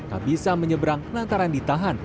tak bisa menyeberang lantaran ditahan